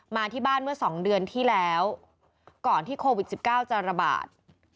มาที่บ้านเมื่อ๒เดือนที่แล้วก่อนที่โควิด๑๙จะระบาด